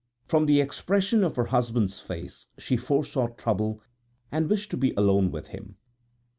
From the expression of her husband's face she foresaw trouble, and wished to be alone with him.